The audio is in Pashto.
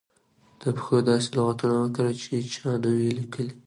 د پښتو داسې لغاتونه وکاروئ سی چا نه وې لیکلي دلته.